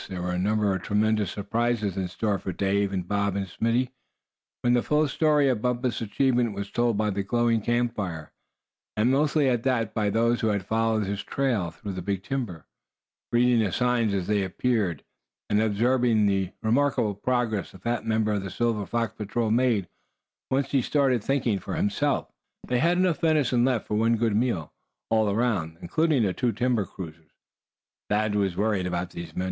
Ah! yes, there were a number of tremendous surprises in store for Dave and Bob and Smithy, when the full story of Bumpus' achievements was told by the glowing camp fire; and mostly at that by those who had followed his trail through the big timber, reading the signs as they appeared, and observing the remarkable progress the fat member of the Silver Fox Patrol made, once he started thinking for himself. They had enough venison left for one good meal all around, including the two timber cruisers. Thad was worried about these men.